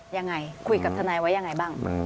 อย่างไรคุยกับธนายไว้อย่างไรบ้าง